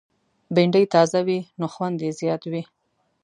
بېنډۍ تازه وي، نو خوند یې زیات وي